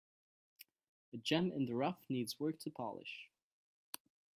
A gem in the rough needs work to polish.